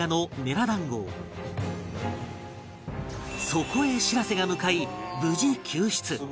そこへしらせが向かい無事救出